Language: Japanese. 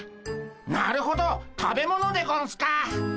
なるほど食べ物でゴンスか。